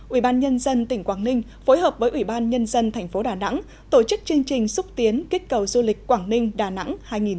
ubnd tỉnh quảng ninh phối hợp với ubnd tp đà nẵng tổ chức chương trình xúc tiến kích cầu du lịch quảng ninh đà nẵng hai nghìn hai mươi